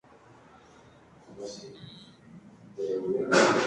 No toda función recursiva es primitiva recursiva.